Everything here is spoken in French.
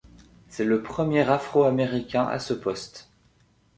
C'est le premier afro-américain à ce poste.